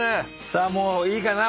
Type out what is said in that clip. さあもういいかな？